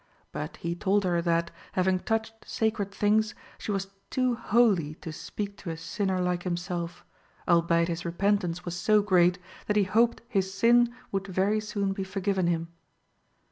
But he told her that, having touched sacred things, she was too holy to speak to a sinner like himself, albeit his repentance was so great that he hoped his sin would very soon be forgiven him.